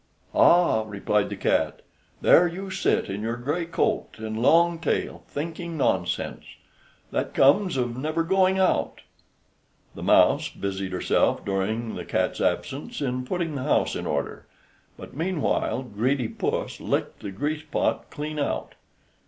"Ah!" replied the cat, "there you sit in your gray coat and long tail, thinking nonsense. That comes of never going out." The mouse busied herself during the cat's absence in putting the house in order, but meanwhile greedy puss licked the grease pot clean out.